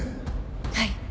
はい。